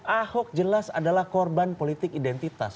ahok jelas adalah korban politik identitas